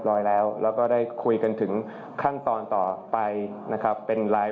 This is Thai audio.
ทำหนักพอในการตั้งรัฐบาลต่อไป